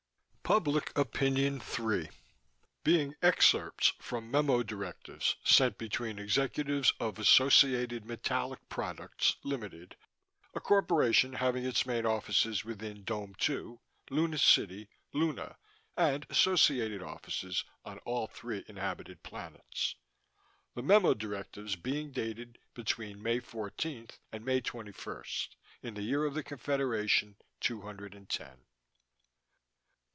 PUBLIC OPINION THREE Being excerpts from memo directives sent between executives of Associated Metallic Products, Ltd., a corporation having its main offices within Dome Two, Luna City, Luna, and associated offices on all three inhabited planets, the memo directives being dated between May fourteenth and May twenty first, in the Year of the Confederation two hundred and ten.